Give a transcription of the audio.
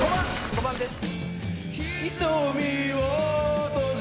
５番です。